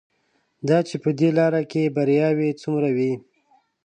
دا چې په دې لاره کې بریاوې څومره وې.